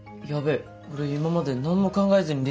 俺今まで何も考えずにリツイートしてた。